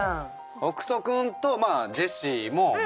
北斗君とジェシーももちろん。